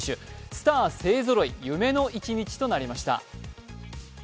スター勢ぞろい、夢の一日となりました。